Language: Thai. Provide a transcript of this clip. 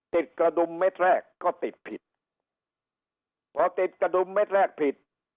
กระดุมเม็ดแรกก็ติดผิดพอติดกระดุมเม็ดแรกผิด